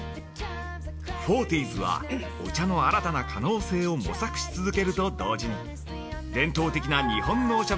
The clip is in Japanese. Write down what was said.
フォーティーズはお茶の新たな可能性を模索し続けると同時に伝統的な日本のお茶